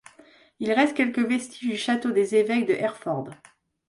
Il reste quelques vestiges du château des évêques de Hereford.